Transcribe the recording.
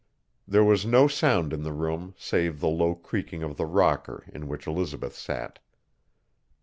There was no sound in the room save the low creaking of the rocker in which Elizabeth sat.